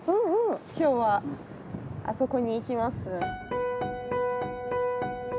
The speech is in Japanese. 今日はあそこに行きます。